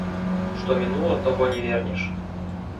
Што мінула, таго не вернеш.